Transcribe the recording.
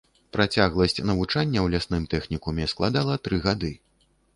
Працягласць навучання ў лясным тэхнікуме складала тры гады.